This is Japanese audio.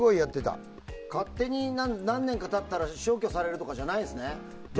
勝手に何年か経ったら消去されるとかじゃないんですね。